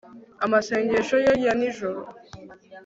amasengesho ye ya nijoro